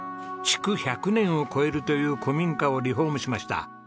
築１００年を超えるという古民家をリフォームしました。